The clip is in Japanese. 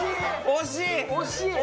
惜しい！